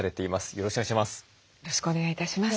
よろしくお願いします。